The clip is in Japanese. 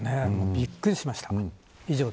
びっくりしました。